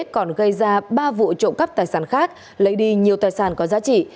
còn gây ra ba vụ trộm cắp tài sản khác lấy đi nhiều tài sản có giá trị